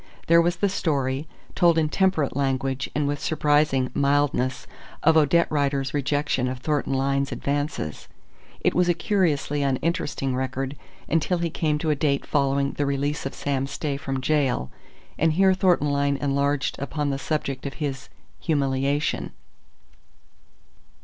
There was the story, told in temperate language and with surprising mildness, of Odette Rider's rejection of Thornton Lyne's advances. It was a curiously uninteresting record, until he came to a date following the release of Sam Stay from gaol, and here Thornton Lyne enlarged upon the subject of his "humiliation."